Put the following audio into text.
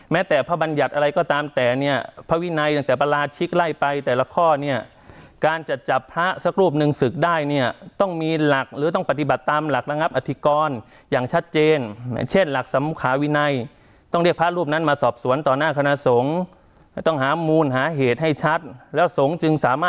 แต่พระบัญญัติอะไรก็ตามแต่เนี่ยพระวินัยตั้งแต่ประราชิกไล่ไปแต่ละข้อเนี่ยการจะจับพระสักรูปหนึ่งศึกได้เนี่ยต้องมีหลักหรือต้องปฏิบัติตามหลักระงับอธิกรอย่างชัดเจนเช่นหลักสัมขาวินัยต้องเรียกพระรูปนั้นมาสอบสวนต่อหน้าคณะสงฆ์ต้องหามูลหาเหตุให้ชัดแล้วสงฆ์จึงสามารถ